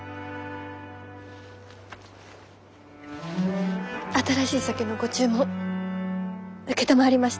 新しい酒のご注文承りました。